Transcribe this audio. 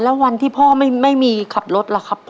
แล้ววันที่พ่อไม่มีขับรถล่ะครับพ่อ